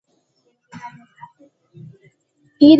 இதைக் கேட்டவுடன் தீயை மிதித்து விட்டவள் போலத் திடுக்கிட்டாள் பதுமை.